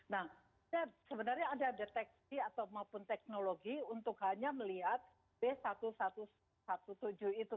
nah sebenarnya ada deteksi atau maupun teknologi untuk hanya melihat b seribu satu ratus tujuh belas itu